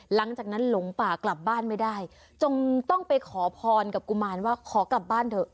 หลังจากนั้นหลงป่ากลับบ้านไม่ได้จงต้องไปขอพรกับกุมารว่าขอกลับบ้านเถอะ